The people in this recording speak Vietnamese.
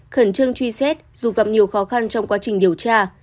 khẩn trương truy xét dù gặp nhiều khó khăn trong quá trình điều tra